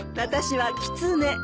私はきつね。